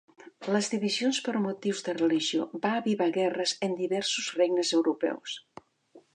Les divisions per motius de religió va avivar guerres en diversos regnes europeus.